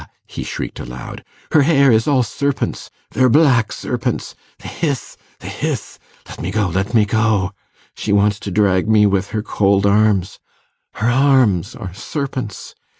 he shrieked aloud, 'her hair is all serpents ... they're black serpents ... they hiss ... they hiss ... let me go ... let me go ... she wants to drag me with her cold arms ... her arms are serpents